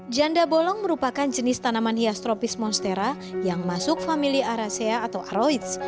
janda bolong merupakan jenis tanaman hias tropis monstera yang masuk famili aracea atau aroids